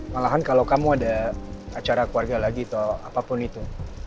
malahan kalau kamu ada acara keluarga lagi atau apapun itu